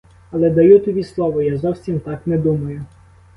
Але даю тобі слово, я зовсім так не думаю.